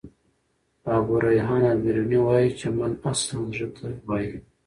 ابو ریحان البروني وايي چي: "من" اصلاً زړه ته وايي.